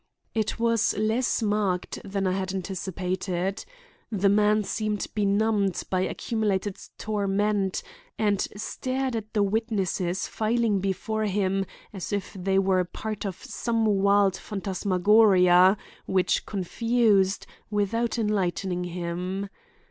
It was less marked than I had anticipated. The man seemed benumbed by accumulated torment and stared at the witnesses filing before him as if they were part of some wild phantasmagoria which confused, without enlightening him.